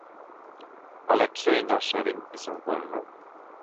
Ale czy nasze rynki są wolne?